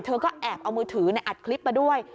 ก็แอบเอามือถืออัดคลิปมาด้วย